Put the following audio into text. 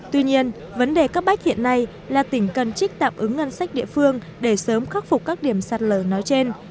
tuy nhiên vấn đề cấp bách hiện nay là tỉnh cần trích tạm ứng ngân sách địa phương để sớm khắc phục các điểm sạt lở nói trên